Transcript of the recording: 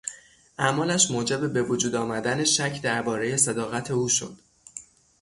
اعمالش موجب به وجود آمدن شک دربارهی صداقت او شد.